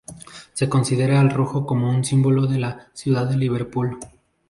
Se considera al rojo como un símbolo de la ciudad de Liverpool.